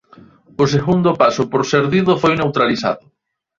O segundo paso por Cerdido foi neutralizado.